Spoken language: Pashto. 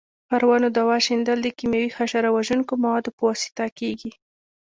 پر ونو دوا شیندل د کېمیاوي حشره وژونکو موادو په واسطه کېږي.